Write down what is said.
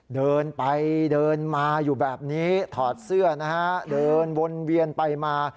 เดินไปเดินมาอยู่แบบนี้ถอดเสื้อนะฮะเดินวนเวียนไปมา